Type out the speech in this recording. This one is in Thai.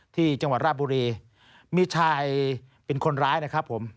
ที่จังหวัดราบบุรีมีชายเป็นคนร้ายนะครับผม